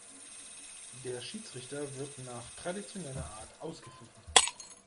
Der Schiedsrichter wird nach traditioneller Art ausgepfiffen.